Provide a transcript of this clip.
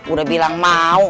udah bilang mau